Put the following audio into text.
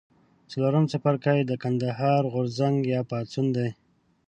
څلورم څپرکی د کندهار غورځنګ یا پاڅون دی.